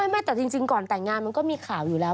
ไม่แต่จริงก่อนแต่งงานมันก็มีข่าวอยู่แล้ว